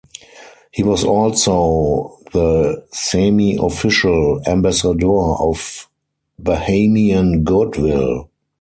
He was also the semiofficial Ambassador of Bahamian Goodwill.